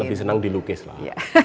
lebih senang dilukis lah